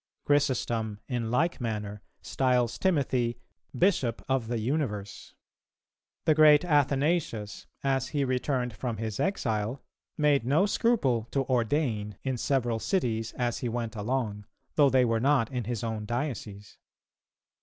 Chrysostom, in like manner, styles Timothy, Bishop of the universe. .... The great Athanasius, as he returned from his exile, made no scruple to ordain in several cities as he went along, though they were not in his own diocese.